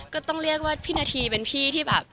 ก็ต้องเรียกว่าพี่นาธีเป็นพี่ที่แบบ